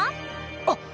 あっ！